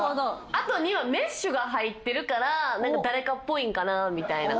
あと２はメッシュが入ってるから誰かっぽいんかなみたいな。